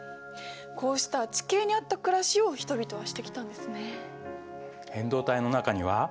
こうした地形に合った暮らしを人々はしてきたんですね。